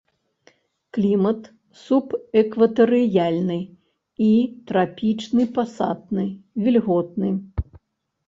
Клімат субэкватарыяльны і трапічны пасатны, вільготны.